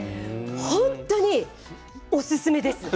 本当におすすめです。